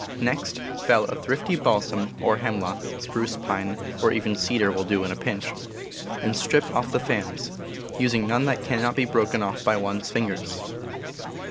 Next fell a thrifty balsam or hem lock (spruce, pine, or even cedar will do in a pinch) and strip off the fans, using none that cannot be broken off by one's fingers.